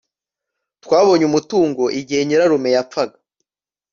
Twabonye umutungo igihe nyirarume yapfaga